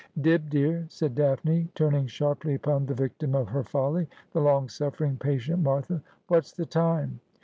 ' Dibb, dear,' said Daphne, turning sharply upon the victim of her folly, the long sufEering, patient Martha. ' What's the time